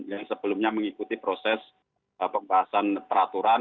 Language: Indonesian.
yang sebelumnya mengikuti proses pembahasan peraturan